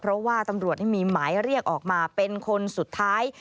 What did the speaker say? เพราะว่าตำรวจนี่มีหมายเรียกออกมาเป็นคนสุดท้าย